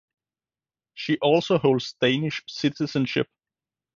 She also holds Danish citizenship.